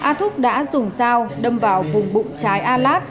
a thúc đã dùng dao đâm vào vùng bụng trái a lát